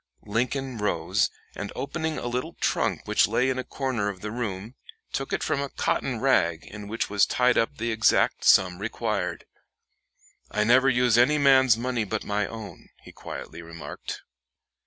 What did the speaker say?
Lincoln rose, and opening a little trunk which lay in a corner of the room, took from it a cotton rag in which was tied up the exact sum required. "I never use any man's money but my own," he quietly remarked.